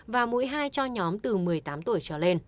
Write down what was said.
và mũi hai cho nhóm một mươi hai một mươi bảy tuổi